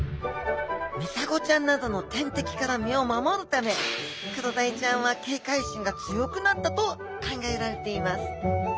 ミサゴちゃんなどの天敵から身を守るためクロダイちゃんは警戒心が強くなったと考えられています